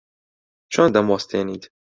چۆن دەموەستێنیت؟